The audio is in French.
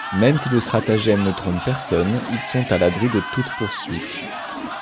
Même si le stratagème ne trompe personne, ils sont à l'abri de toutes poursuites.